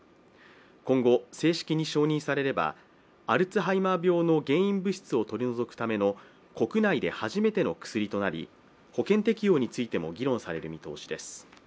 今後、正式に承認されればアルツハイマー病の原因物質を取り除くための国内で初めての薬となり保険適用についても議論される見通しです。